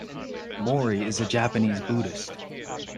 Mori is a Japanese Buddhist.